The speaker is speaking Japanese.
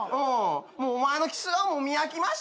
お前のキス顔も見飽きました。